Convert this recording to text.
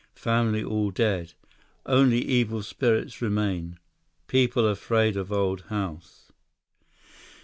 Family all dead. Only evil spirits remain. People afraid of old house."